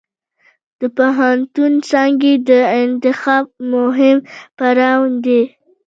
د پوهنتون څانګې د انتخاب مهم پړاو دی.